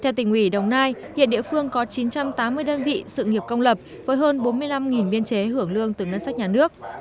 theo tỉnh ủy đồng nai hiện địa phương có chín trăm tám mươi đơn vị sự nghiệp công lập với hơn bốn mươi năm biên chế hưởng lương từ ngân sách nhà nước